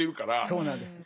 そうなんです。